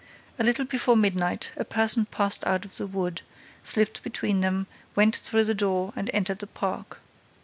A little before midnight, a person passed out of the wood, slipped between them, went through the door and entered the park.